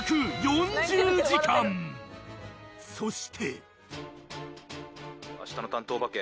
「そして」